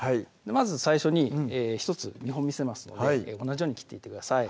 まず最初に１つ見本見せますので同じように切っていってください